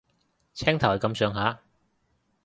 青頭係咁上下